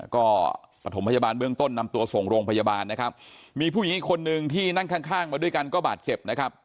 ก็ปฐมพยาบาลเบื้องต้นนำตัวส่งโรงพยาบาลนะครับมีผู้หญิงอีกคนนึงที่นั่งข้างข้างมาด้วยกันก็บาดเจ็บนะครับ